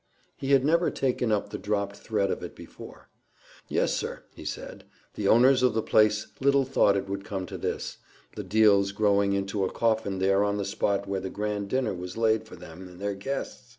He had never taken up the dropped thread of it before. "Yes, sir," he said; "the owners of the place little thought it would come to this—the deals growing into a coffin there on the spot where the grand dinner was laid for them and their guests!